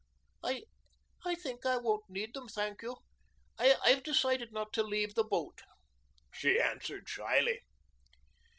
"I I think I won't need them, thank you. I've decided not to leave the boat," she answered shyly.